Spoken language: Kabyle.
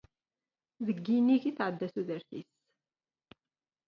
Deg yinig i tɛedda tudert-is.